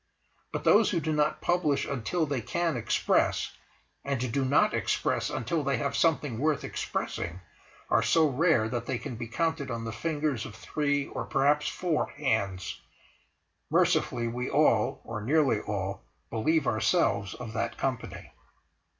But those who do not publish until they can express, and do not express until they have something worth expressing, are so rare that they can be counted on the fingers of three or perhaps four hands; mercifully, we all—or nearly all believe ourselves of that company.